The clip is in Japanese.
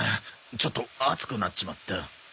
ちょっと熱くなっちまった。